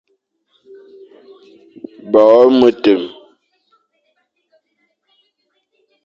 Mbo metem,